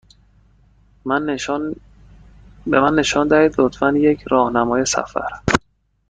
به من نشان دهید، لطفا، یک راهنمای سفر.